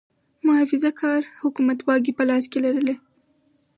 محافظه کار حکومت واګې په لاس کې لرلې.